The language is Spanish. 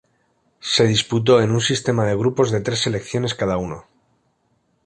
Se disputó en un sistema de grupos de tres selecciones cada uno.